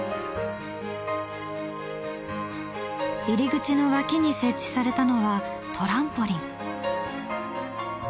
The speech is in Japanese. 入り口の脇に設置されたのはトランポリン。